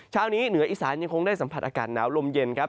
เช้านี้เหนืออีสานยังคงได้สัมผัสอากาศหนาวลมเย็นครับ